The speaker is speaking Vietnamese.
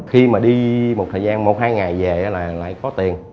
khi mà đi một thời gian một hai ngày về là lại có tiền